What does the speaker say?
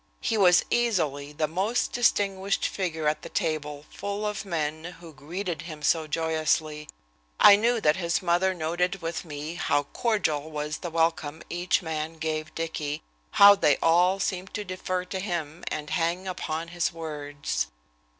He was easily the most distinguished figure at the table full of men who greeted him so joyously. I knew that his mother noted with me how cordial was the welcome each man gave Dicky, how they all seemed to defer to him and hang upon his words.